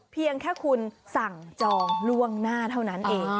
เพียงแค่คุณสั่งจองล่วงหน้าเท่านั้นเอง